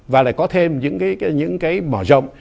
và lại có thêm những cái mở rộng